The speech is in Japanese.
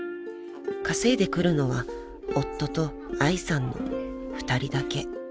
［稼いでくるのは夫と愛さんの２人だけ］